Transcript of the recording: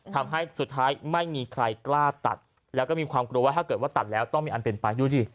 ทำให้สุดท้ายไม่มีใครกล้าตัดแล้วก็มีความกลัวว่าถ้าเกิดว่าตัดแล้วต้องมีอันเป็นไปดูดิ